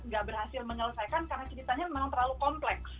gak berhasil menyelesaikan karena ceritanya memang terlalu kompleks